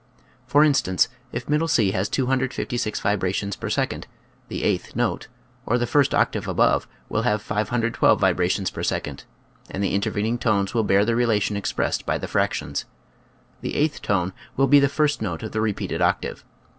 For instance, if middle C has 256 vi brations per second, the eighth note, or the first octave above, will have 512 vibrations per second, and the intervening tones will bear the relation expressed by the fractions. The eighth tone will be the first note of the re peated octave.